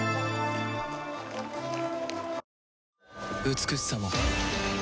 美しさも